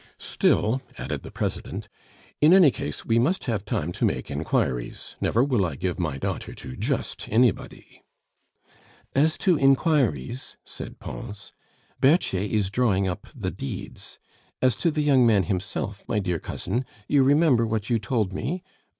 "Still," added the President, "in any case, we must have time to make inquiries; never will I give my daughter to just anybody " "As to inquiries," said Pons, "Berthier is drawing up the deeds. As to the young man himself, my dear cousin, you remember what you told me?